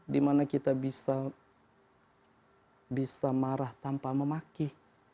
dimana kita bisa marah tanpa memakih